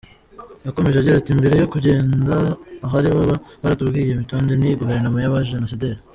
Yakomeje agira ati: “Mbere yo kugenda, ahari baba baratubwiye: mwitonde, ni guverinoma y’abajenosideri!